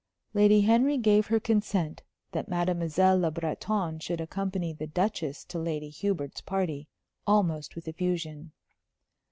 Lady Henry gave her consent that Mademoiselle Le Breton should accompany the Duchess to Lady Hubert's party almost with effusion.